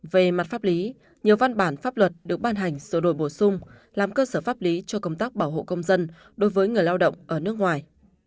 về mặt pháp lý nhiều văn bản pháp luật được ban hành sổ đổi bổ sung làm cơ sở pháp lý cho công tác bảo hộ công dân đối với người lao động ở nước ngoài